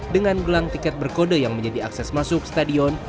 dengan gelang tiket berkode yang menjadi akses masuk stadion